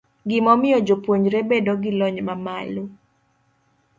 gimiyo jopuonjre bedo gi lony mamalo.